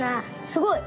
すごい！